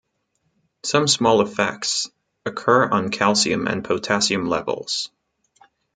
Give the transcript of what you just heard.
Some small effects occur on calcium and potassium levels.